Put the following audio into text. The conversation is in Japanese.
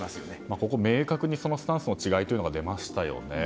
ここ、明確にスタンスの違いが出ましたよね。